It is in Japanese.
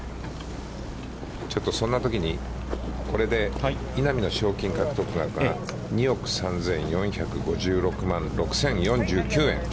ちょっとそんなときにこれで稲見の賞金獲得額が２億３４５６万６０４９円。